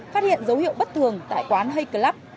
phát hiện dấu hiệu bất thường tại quán hay club